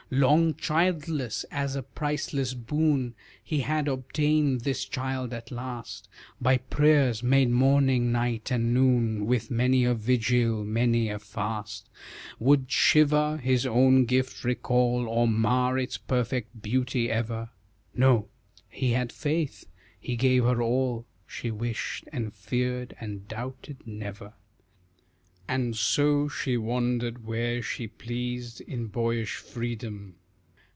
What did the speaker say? Long childless, as a priceless boon He had obtained this child at last By prayers, made morning, night, and noon With many a vigil, many a fast; Would Shiva his own gift recall, Or mar its perfect beauty ever? No, he had faith, he gave her all She wished, and feared and doubted never. And so she wandered where she pleased In boyish freedom.